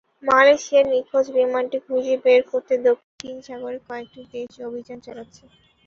মালয়েশিয়ার নিখোঁজ বিমানটি খুঁজে বের করতে দক্ষিণ চীন সাগরে কয়েকটি দেশ অভিযান চালাচ্ছে।